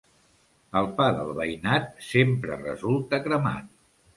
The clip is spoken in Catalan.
El pa del veïnat sempre resulta cremat.